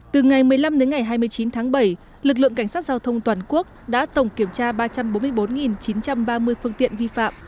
từ ngày một mươi năm đến ngày hai mươi chín tháng bảy lực lượng cảnh sát giao thông toàn quốc đã tổng kiểm tra ba trăm bốn mươi bốn chín trăm ba mươi phương tiện vi phạm